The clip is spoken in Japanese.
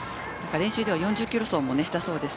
練習では４０キロ走をしたそうです。